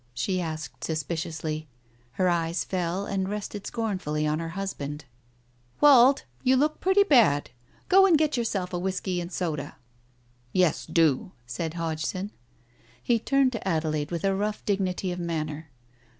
she asked sus piciously. Her eyes fell and rested scornfully on her husband. ..." Wald, you look pretty bad. Go and get yourself a whiskey and soda." Digitized by Google THE TIGER SKIN 303 "Yes, do," said Hodgson. He turned to Adelaide, with a rough dignity of manner.